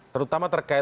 terutama terkait begitu